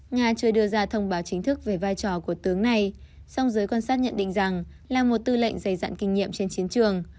nga chưa đưa ra thông báo chính thức về vai trò của tướng này song giới quan sát nhận định rằng là một tư lệnh dày dặn kinh nghiệm trên chiến trường